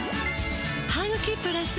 「ハグキプラス」